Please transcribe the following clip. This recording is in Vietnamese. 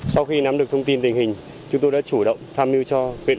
sau khi nắm được thông tin tình hình chúng tôi đã chủ động tham mưu cho huyện